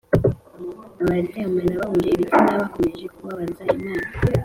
Abaryamana bahuje ibitsina bakomeje kubabaza imana